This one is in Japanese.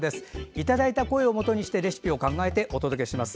いただいた声をもとにしてレシピを考えてお届けします。